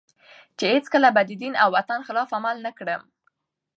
چي هیڅکله به د دین او وطن خلاف عمل تر نه کړم